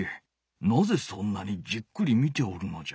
なぜそんなにじっくり見ておるのじゃ？